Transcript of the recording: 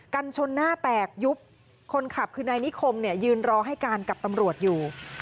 กันชนหน้าแตกยุบคนขับคือนายนิคมเนี่ยยืนรอให้การกับตำรวจอยู่